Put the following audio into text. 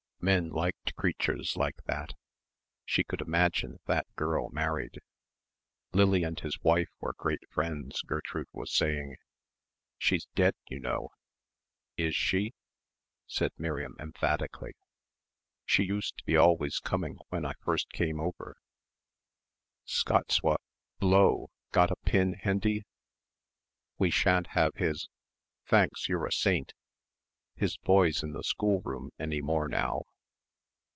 Men liked creatures like that. She could imagine that girl married. "Lily and his wife were great friends," Gertrude was saying. "She's dead, you know." "Is she," said Miriam emphatically. "She used to be always coming when I first came over, Scots wha blow got a pin, Hendy?... We shan't have his ... thanks, you're a saint ... his boys in the schoolroom any more now."